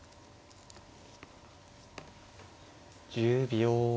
１０秒。